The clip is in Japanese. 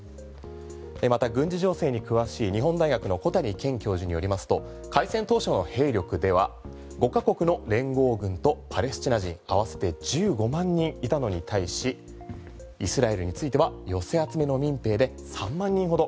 また軍事情勢に詳しい日本大学の小谷賢教授によりますと開戦当初の兵力では５カ国の連合軍とパレスチナ人合わせて１５万人いたのに対しイスラエルについては寄せ集めの民兵で３万人ほど。